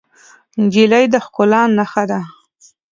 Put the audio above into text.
نجلۍ د ښکلا نښه ده.